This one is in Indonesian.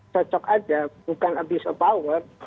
cocok aja bukan abuse of power